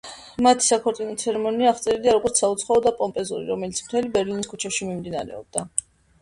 მათი საქორწინო ცერემონია აღწერილია როგორც „საუცხოო და პომპეზური“, რომელიც მთელი ბერლინის ქუჩებში მიმდინარეობდა.